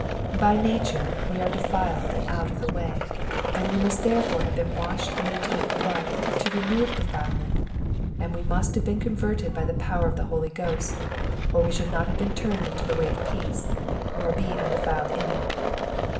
By nature we are defiled and out of the way, and we must therefore have been washed in the atoning blood to remove defile ment, and we must have been converted by the power of the Holy Ghost, or we should not have been turned into the way of peace, nor be undefiled in it.